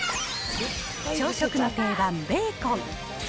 朝食の定番、ベーコン。